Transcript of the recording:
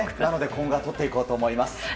今後は取っていこうと思います。